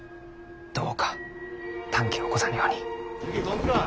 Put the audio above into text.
どうか短気を起こさぬように。